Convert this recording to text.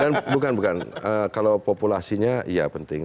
dan bukan bukan kalau populasinya iya penting